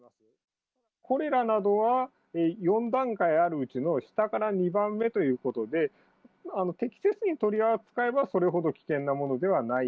コレラなどは４段階あるうちの下から２番目ということで、適切に取り扱えば、それほど危険なものではない。